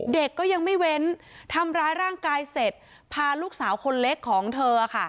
เด็กก็ยังไม่เว้นทำร้ายร่างกายเสร็จพาลูกสาวคนเล็กของเธอค่ะ